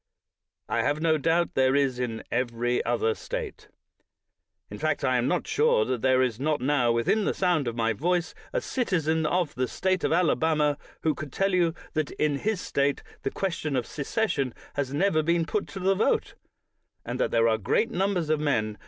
I have no doubt there is in every other State. In fact, I am not sure that there is not now within the sound of my voice a citizen of the State of Alabama, who could tell you that in his State the question of secession has never been put to the vote; and that there are great numbers of men.